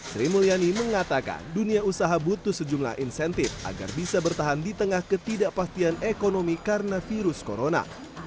sri mulyani mengatakan dunia usaha butuh sejumlah insentif agar bisa bertahan di tengah ketidakpastian ekonomi karena virus corona